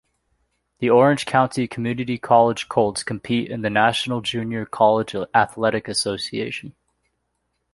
The Orange County Community College Colts compete in the National Junior College Athletic Association.